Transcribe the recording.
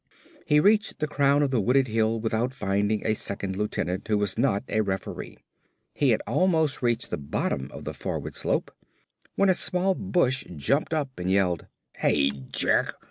He reached the crown of the wooded hill without finding a second lieutenant who was not a referee. He had almost reached the bottom of the forward slope when a small bush jumped up and yelled, "Hey, jerk!